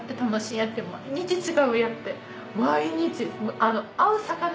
毎日！